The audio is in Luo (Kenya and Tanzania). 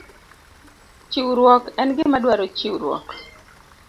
Chiwruok en gima dwaro chiwruok